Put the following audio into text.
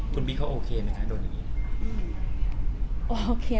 คุณบิ๊กเขาโอเคไหมคะโดนอย่างนี้